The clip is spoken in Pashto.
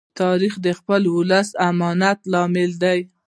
تاریخ د خپل ولس د امانت لامل دی.